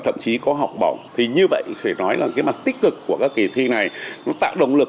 thậm chí có học bổng thì như vậy phải nói là cái mặt tích cực của các kỳ thi này nó tạo động lực